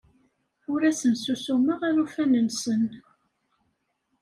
Ur asen-ssusumeɣ alufan-nsen.